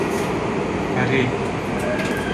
Erê.